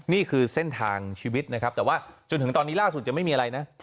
นี่คือเส้นทางชีวิตนะครับแต่ว่าจนถึงตอนนี้ล่าสุดจะไม่มีอะไรนะ